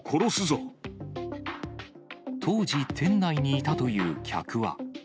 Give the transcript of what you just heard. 当時、店内にいたという客は。